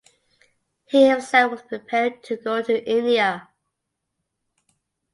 He himself was preparing to go to India.